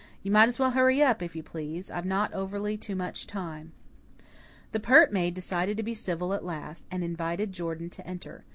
You might as well hurry up, if you please, I've not overly too much time." The pert maid decided to be civil at least, and invited Jordan to enter.